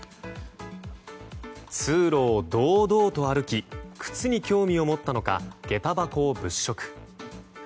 通路を堂々と歩き靴に興味を持ったのかげた箱を物色。